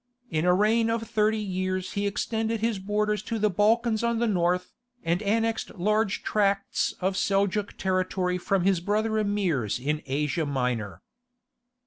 In a reign of thirty years he extended his borders to the Balkans on the north, and annexed large tracts of Seljouk territory from his brother Emirs in Asia Minor.